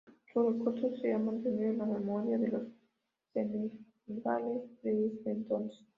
Su recuerdo se ha mantenido en la memoria de los senegaleses desde entonces.